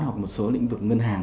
hoặc một số lĩnh vực ngân hàng